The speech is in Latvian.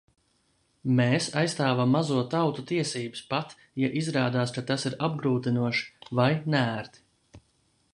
Mēs aizstāvam mazo tautu tiesības pat, ja izrādās, ka tas ir apgrūtinoši vai neērti.